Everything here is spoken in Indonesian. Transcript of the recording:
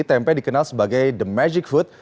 tempe dikenal sebagai the magic food